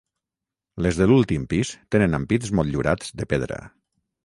Les de l'últim pis tenen ampits motllurats de pedra.